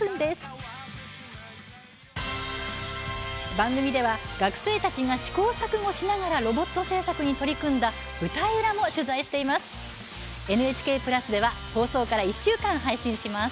番組では学生たちが試行錯誤しながらロボット製作に取り組んだ舞台裏も取材しています。